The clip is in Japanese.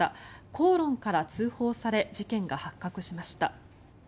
口論から通報され事件が発覚しました。